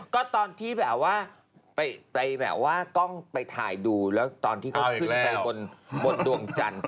ก็ตอนที่แบบว่าไปแบบว่ากล้องไปถ่ายดูแล้วตอนที่เขาขึ้นไปบนดวงจันทร์